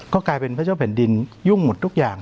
ก็กลายเป็นพระเจ้าแผ่นดินยุ่งหมดทุกอย่าง